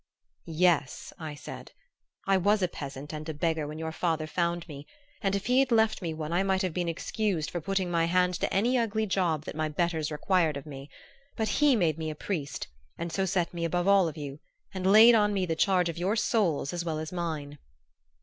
"Yes," I said, "I was a peasant and a beggar when your father found me; and if he had left me one I might have been excused for putting my hand to any ugly job that my betters required of me; but he made me a priest, and so set me above all of you, and laid on me the charge of your souls as well as mine."